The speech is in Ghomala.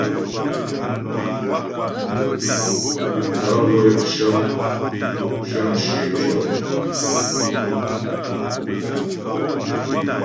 Gaə̂ wə́ cə́ŋ shə́ŋ shyə tyɔ̀.